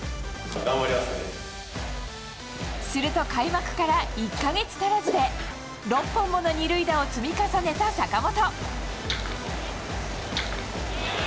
すると開幕から１か月足らずで６本もの２塁打を積み重ねた坂本。